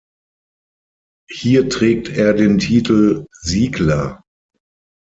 Hier trägt er den Titel "Siegler".